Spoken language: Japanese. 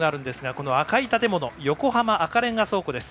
この赤い建物横浜赤レンガ倉庫です。